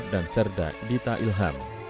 dan serda dita ilham